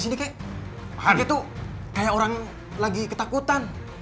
sini kek kakek tuh kayak orang lagi ketakutan